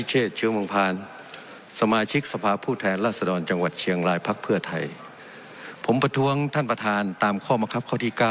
เจอนท่านไม่ใช่ครับเจอนขอโทษครับ